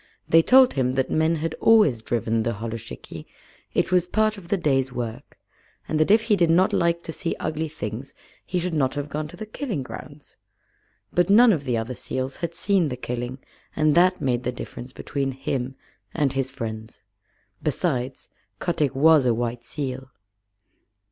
They told him that men had always driven the holluschickie it was part of the day's work and that if he did not like to see ugly things he should not have gone to the killing grounds. But none of the other seals had seen the killing, and that made the difference between him and his friends. Besides, Kotick was a white seal.